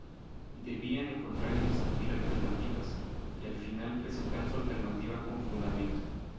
Debían encontrar y discutir alternativas, y al final presentar su alternativa con fundamento.